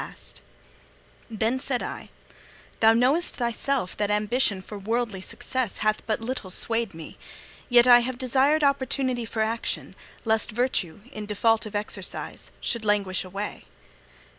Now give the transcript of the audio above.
VII. Then said I: 'Thou knowest thyself that ambition for worldly success hath but little swayed me. Yet I have desired opportunity for action, lest virtue, in default of exercise, should languish away.'